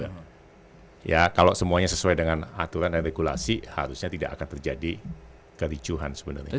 ya kalau semuanya sesuai dengan aturan dan regulasi harusnya tidak akan terjadi kericuhan sebenarnya